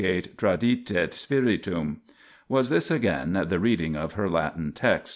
tradidit spiritum. Was this again the reading of her Latin text?